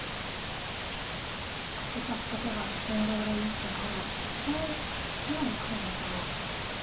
着々と手が進んでおりますがこの今の黒の手はどういった意味が？